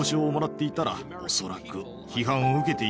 恐らく。